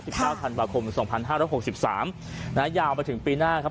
เก้าธันวาคมสองพันห้าร้อยหกสิบสามนะฮะยาวไปถึงปีหน้าครับ